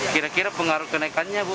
kira kira pengaruh kenaikannya bu